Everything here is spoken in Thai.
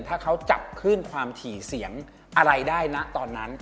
ถ้าเขาจับขึ้นความถี่เสียงอะไรได้นะตอนนั้น